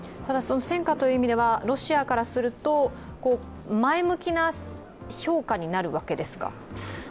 戦果という意味ではロシアからすると、前向きな評価になるわけですか？